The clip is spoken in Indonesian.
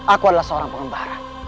aku adalah seorang pengembara